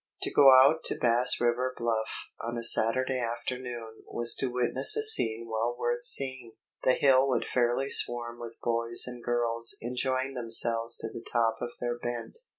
To go out to Bass River Bluff on a Saturday afternoon was to witness a scene well worth seeing. The hill would fairly swarm with boys and girls enjoying themselves to the top of their bent.